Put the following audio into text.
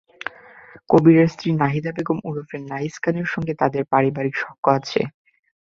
কবীরের স্ত্রী নাহিদা বেগম ওরফে নাইস খানের সঙ্গে তাঁদের পারিবারিক সখ্য আছে।